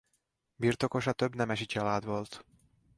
Birtokosa több nemesi család volt.